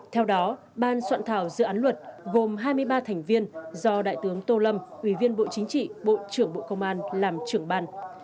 theo đó ban soạn thảo dự án luật gồm hai mươi ba thành viên do đại tướng tô lâm ủy viên bộ chính trị bộ trưởng bộ công an làm trưởng ban